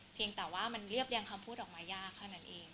เพียงแต่ว่ามันเรียบเรียนคำพูดของมันยากขนาดนั้นเองค่ะ